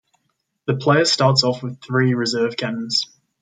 The player starts off with three reserve cannons.